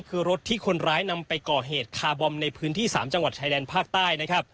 คือรถที่คนร้ายนำไปก่อเหตุคาร์บอมในพื้นที่๓จังหวัดชายแดนภาคใต้นะครับ